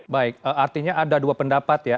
baik artinya ada dua pendapat ya